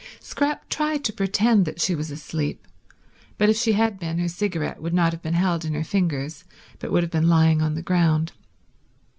Scrap tried to pretend that she was asleep, but if she had been her cigarette would not have been held in her fingers but would have been lying on the ground.